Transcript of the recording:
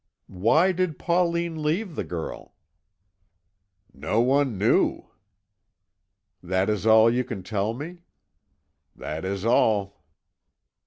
"Why did Pauline leave the girl?" "No one knew." "That is all you can tell me?" "That is all."